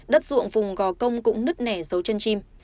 đất ruộng vùng gò công cũng nứt nẻ dấu chân chim